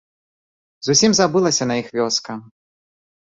Зусім забылася на іх вёска.